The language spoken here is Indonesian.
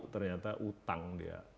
ternyata utang dia